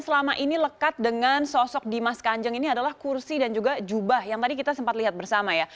selama ini lekat dengan sosok dimas kanjeng ini adalah kursi dan juga jubah yang tadi kita sempat lihat bersama ya